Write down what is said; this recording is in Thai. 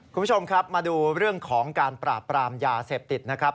คุณผู้ชมครับมาดูเรื่องของการปราบปรามยาเสพติดนะครับ